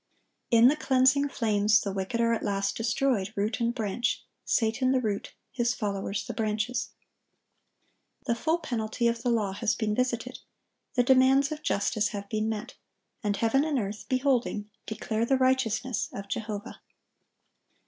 In the cleansing flames the wicked are at last destroyed, root and branch,—Satan the root, his followers the branches. The full penalty of the law has been visited; the demands of justice have been met; and heaven and earth, beholding, declare the righteousness of Jehovah.